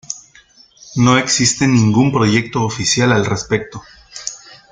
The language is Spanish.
No existe ningún proyecto oficial al respecto.